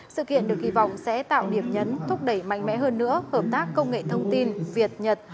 sự kiện được kỳ vọng sẽ tạo điểm nhấn thúc đẩy mạnh mẽ hơn nữa hợp tác công nghệ thông tin việt nhật